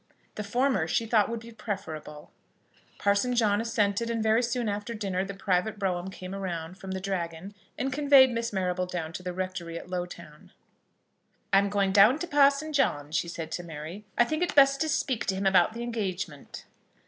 The former she thought would be preferable. Parson John assented, and very soon after dinner the private brougham came round from the Dragon, and conveyed Miss Marrable down to the rectory at Lowtown. "I am going down to Parson John," said she to Mary. "I think it best to speak to him about the engagement."